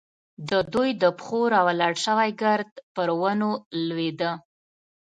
د دوی د پښو راولاړ شوی ګرد پر ونو لوېده.